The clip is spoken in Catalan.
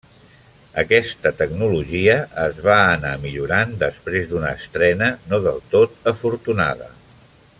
Aquesta tecnologia es va anar millorant després d'una estrena no del tot afortunada.